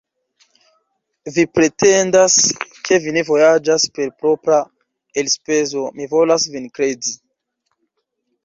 Vi pretendas, ke vi ne vojaĝas per propra elspezo; mi volas vin kredi.